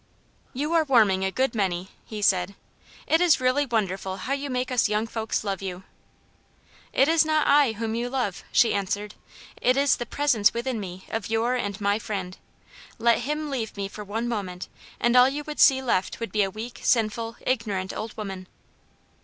" You are warming a good many," he said. ^' It is really wonderful how you make us young folks love you." " It is not I whom you love !" she answered. "It is the presence within me of your and my Friend. Let him leave me for one moment, and all you would see left would be a weak, sinful, ignorant old woman."